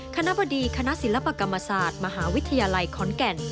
คณะบดีคณะศิลปกรรมศาสตร์มหาวิทยาลัยขอนแก่น